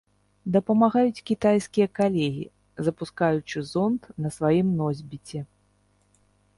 Дапамагаюць кітайскія калегі, запускаючы зонд на сваім носьбіце.